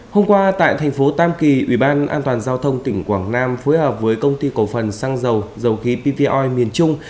hôm qua tại thành phố tam kỳ ủy ban an toàn giao thông tỉnh quảng nam phối hợp với công ty cổ phần xăng dầu dầu khí ppr miền trung